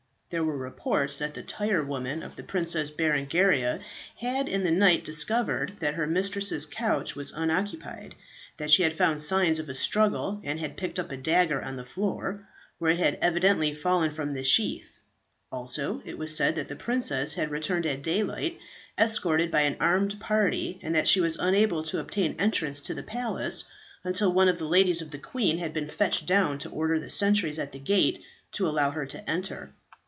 There were reports that the tire woman of the Princess Berengaria had in the night discovered that her mistress's couch was unoccupied, that she had found signs of a struggle, and had picked up a dagger on the floor, where it had evidently fallen from the sheath; also it was said, that the princess had returned at daylight escorted by an armed party, and that she was unable to obtain entrance to the palace until one of the ladies of the queen had been fetched down to order the sentries at the gate to allow her to enter.